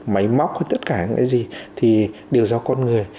máy móc hay tất cả những cái gì thì đều do con người